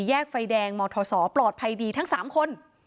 แยกไฟแดงมทศปลอดภัยดีทั้ง๓คน